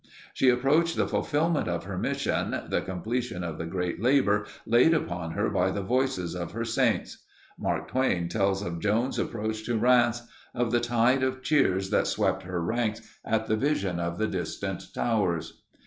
She approached the fulfilment of her mission, the completion of the great labor laid upon her by the voices of her saints. Mark Twain tells of Joan's approach to Rheims, of the tide of cheers that swept her ranks at the vision of the distant towers.